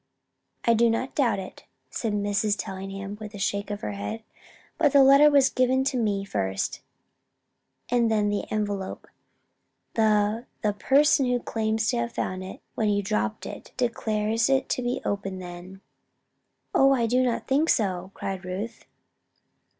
"I do not doubt it," said Mrs. Tellingham, with a shake of her head. "But the letter was given to me first, and then the envelope. The the person who claims to have found it when you dropped it, declared it to be open then." "Oh, I do not think so!" cried Ruth.